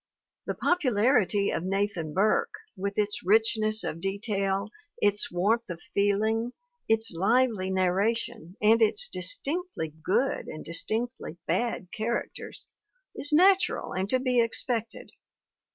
The popularity of Nathan Burke, with its richness of detail, its warmth of feeling, its lively narration and its distinctly good and distinctly bad characters, is MARY S. WATTS 195 natural and to be expected.